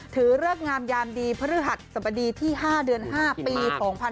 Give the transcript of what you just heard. ถือเลือกงามยามดีพฤหัสสมดีที่๕เดือน๕ปี๒๕๖๕